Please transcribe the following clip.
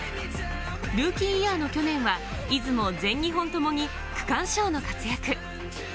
ルーキーイヤーの去年は出雲、全日本ともに区間賞の活躍。